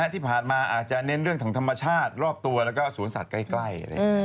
ที่ผ่านมาอาจจะเน้นเรื่องของธรรมชาติรอบตัวแล้วก็สวนสัตว์ใกล้